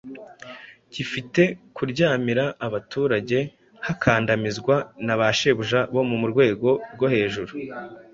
gifite kuryamira abaturage hakandamizwa naba shebuja bo mu rwego rwo hejuru,